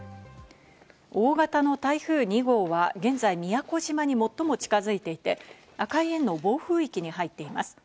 大型の台風２号は現在、宮古島に最も近づいていて、赤い円の暴風域に入っています。